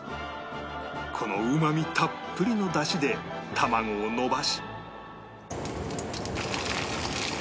このうまみたっぷりの出汁で卵をのばし